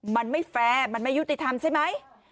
มันไม่แฟร์มันไม่ยุติธรรมใช่ไหม